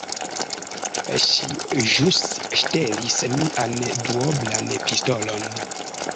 Ŝi ĵus ŝtelis mian duoblan pistolon.